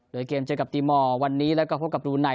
โดยเกมเจอกับตีมอร์วันนี้แล้วก็พบกับบรูไน